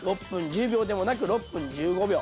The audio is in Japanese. ６分１０秒でもなく６分１５秒。